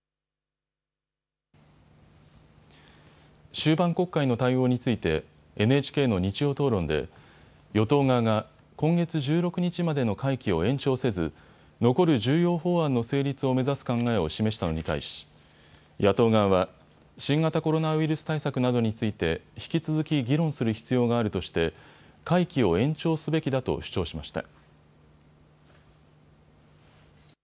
終盤国会の対応についてＮＨＫの日曜討論で与党側が今月１６日までの会期を延長せず残る重要法案の成立を目指す考えを示したのに対し野党側は新型コロナウイルス対策などについて引き続き議論する必要があるとして会期を延長すべきだと主張しました。